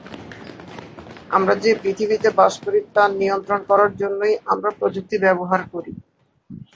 আমরা যে পৃথিবী তে বাস করি তা নিয়ন্ত্রণ করার জন্যই আমরা প্রযুক্তি ব্যবহার করি।